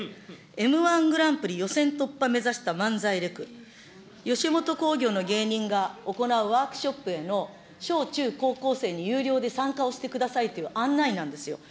Ｍー１グランプリ予選突破目指した漫才レク、吉本興業の芸人が行うワークショップへの小中高校生に有料で参加をしてくださいという案内なんですよ。